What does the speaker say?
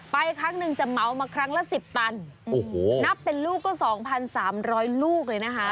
ไปครั้งนึงจะเมามาครั้งละสิบตันโอ้โหนับเป็นลูกก็สองพันสามร้อยลูกเลยนะคะ